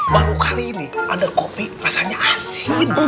baru kali ini ada kopi rasanya asin